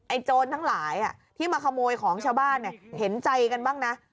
โจรทั้งหลายที่มาขโมยของชาวบ้านเห็นใจกันบ้างนะ